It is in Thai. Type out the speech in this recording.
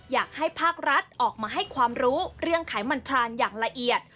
อยากให้ภาครัฐออกมาให้ความรู้เรื่องไขมันทรานอย่างละเอียด